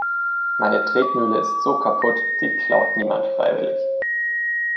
Meine Tretmühle ist so kaputt, die klaut niemand freiwillig.